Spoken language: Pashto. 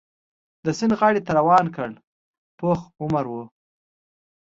د سیند غاړې ته روان کړ، پوخ عمره و.